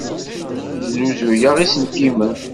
Snuzuyeɣ iselkimen.